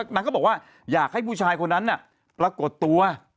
นางก็บอกว่าอยากให้ผู้ชายคนนั้นปรากฏตัว